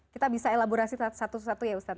kita bisa elaborasi satu satu ya ustadz